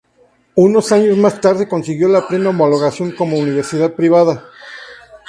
Unos años más tarde, consiguió la plena homologación como universidad privada.